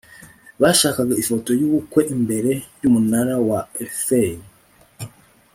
bashakaga ifoto yubukwe imbere yumunara wa eiffel